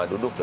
ini untuk apa